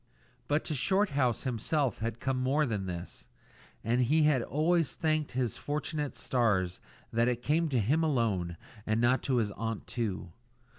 But to Shorthouse himself had come more than this, and he has always thanked his fortunate stars that it came to him alone and not to his aunt too.